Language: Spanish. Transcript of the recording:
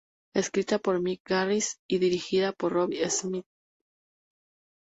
Escrita por Mick Garris y dirigida por Rob Schmidt.